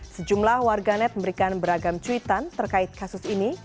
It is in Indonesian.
sejumlah warganet memberikan beragam cuitan terkait kasus ini